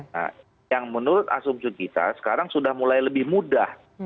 nah yang menurut asumsi kita sekarang sudah mulai lebih mudah